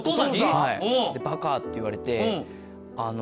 はい「バカ」って言われて。